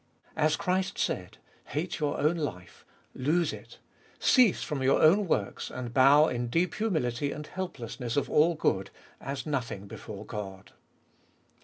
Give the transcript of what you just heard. As Christ said, Hate your own life, lose it. Cease from your own works, and bow in deep humility and helplessness of all good, as nothing before God.